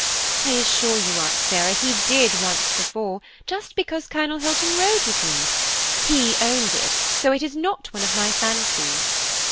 I assure you, Aunt Sarah, he did once before, just because Colonel Hilton rode with me. He owned it; so it is not one of my fancies."